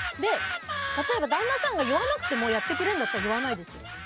例えば、旦那さんが言わなくてもやってくれるなら言わないですよ。